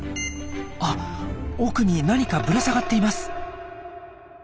あっ奥に何かぶら下がっています。